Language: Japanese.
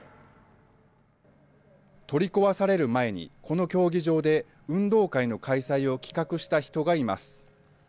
取り壊される前に、この競技場で運動会の開催を企画した人がいます。